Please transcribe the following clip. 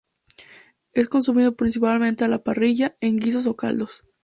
Es consumido principalmente a la parrilla, en guisos o caldos.